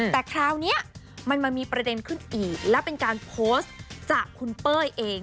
แต่คราวนี้มันมามีประเด็นขึ้นอีกและเป็นการโพสต์จากคุณเป้ยเอง